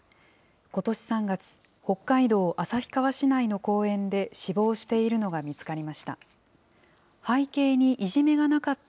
ことし３月、北海道旭川市内の公園で死亡しているのが見つかりました。